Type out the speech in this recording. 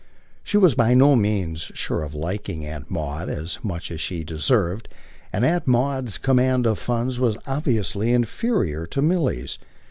She was by no means sure of liking Aunt Maud as much as SHE deserved, and Aunt Maud's command of funds was obviously inferior to Milly's.